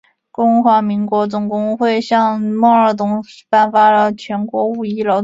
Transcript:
中华全国总工会向孟二冬颁发了全国五一劳动奖章。